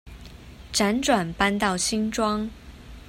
輾轉搬到新莊